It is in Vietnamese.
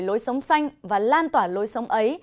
lối sống xanh và lan tỏa lối sống ấy